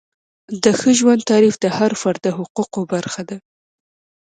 د ښه ژوند تعریف د هر فرد د حقوقو برخه ده.